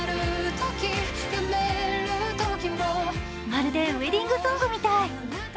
まるでウエディングソングみたい。